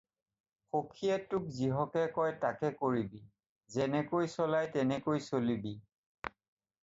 সখিয়ে তোক যিহকে কয় তাকে কৰিবি, যেনেকৈ চলায় তেনেকৈ চলিবি।